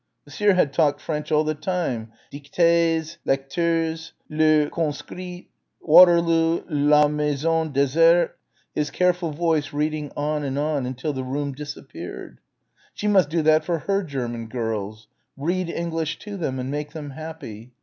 Monsieur ... had talked French all the time ... dictées ... lectures ... Le Conscrit ... Waterloo ... La Maison Déserte ... his careful voice reading on and on ... until the room disappeared.... She must do that for her German girls. Read English to them and make them happy....